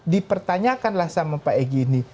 dipertanyakanlah sama pak egy ini